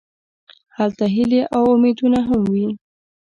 هلته هیلې او امیدونه هم وي.